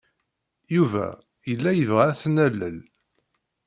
Yuba yella yebɣa ad t-nalel.